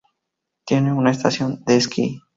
Tiene una estación de esquí.